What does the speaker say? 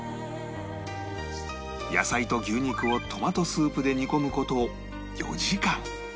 野菜と牛肉をトマトスープで煮込む事４時間